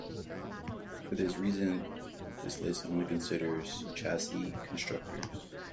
For this reason, this list only considers chassis constructors.